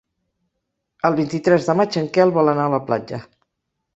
El vint-i-tres de maig en Quel vol anar a la platja.